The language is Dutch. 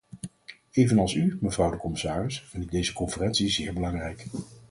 Evenals u, mevrouw de commissaris, vind ik deze conferentie zeer belangrijk.